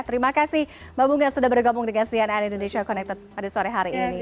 terima kasih mbak bunga sudah bergabung dengan cnn indonesia connected pada sore hari ini